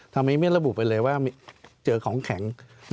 ทำไมไม่ระบุไปเลยว่าเจอของแข็ง